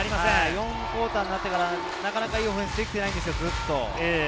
４クオーターになってから、いいオフェンスができていないんですよ、ずっと。